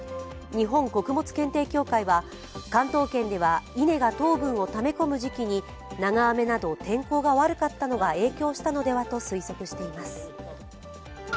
日本穀物検定協会は関東圏では稲が糖分をため込む時期に長雨など天候が悪かったのが影響したのではと推測しています。